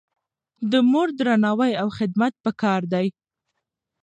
د مور درناوی او خدمت پکار دی.